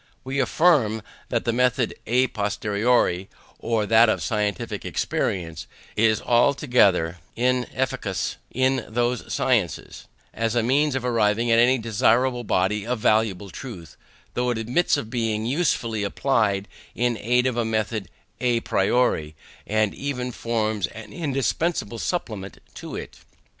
We affirm that the method à posteriori, or that of specific experience, is altogether inefficacious in those sciences, as a means of arriving at any considerable body of valuable truth; though it admits of being usefully applied in aid of the method à priori, and even forms an indispensable supplement to it.